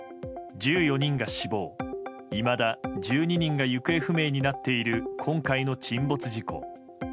１４人が死亡、いまだ１２人が行方不明になっている今回の沈没事故。